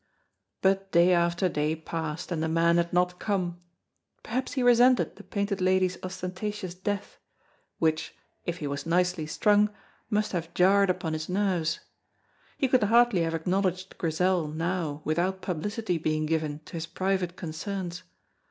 But day after day passed, and the man had not come. Perhaps he resented the Painted Lady's ostentatious death; which, if he was nicely strung, must have jarred upon his nerves. He could hardly have acknowledged Grizel now without publicity being given to his private concerns.